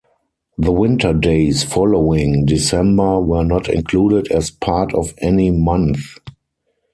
The winter days following December were not included as part of any month.